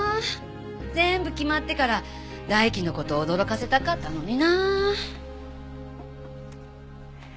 全部決まってから大樹の事驚かせたかったのにな。